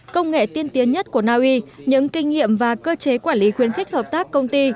công nghệ tiên tiến nhất của naui những kinh nghiệm và cơ chế quản lý khuyến khích hợp tác công ty